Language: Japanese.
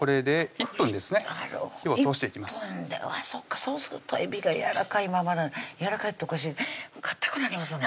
１分でそうするとえびがやわらかいままやわらかいっておかしいかたくなりますもんね